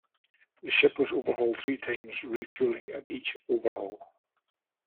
The ship was overhauled three times, refueling at each overhaul.